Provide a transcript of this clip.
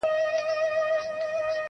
نه یوه مسته ترانه سته زه به چیري ځمه-